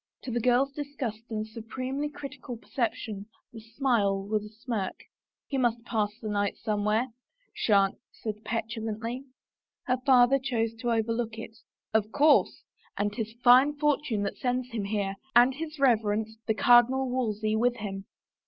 To the girl's disgusted and supremely critical percep tion the smile was a smirk. "He must pass the night somewhere," she answered petulantly. Her father chose to overlook it. " Of course — and • 'tis fine fortune that sends him here, and his reverence, the Cardinal Wolsey, with him.